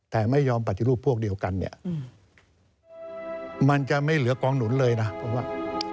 แต่ไม่ยอมปฏิรูปพวกเดียวกันเนี่ยมันจะไม่เหลือกองหนุนเลยนะเพราะว่า